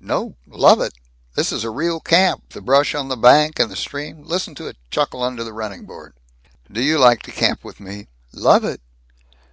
"Nope. Love it! This is a real camp the brush on the bank, and the stream listen to it chuckle under the running board." "Do you like to camp with me?" "Love it."